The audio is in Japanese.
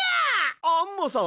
アンモさん？